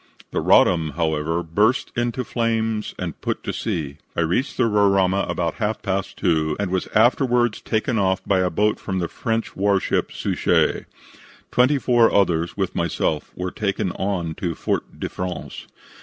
"The Roddam, however, burst into flames and put to sea. I reached the Roraima at about half past 2, and was afterwards taken off by a boat from the French warship Suchet. Twenty four others with myself were taken on to Fort de France.